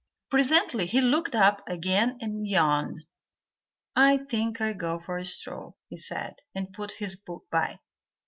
Presently he looked up again and yawned. "I think I'll go for a stroll," he said, and put his book by.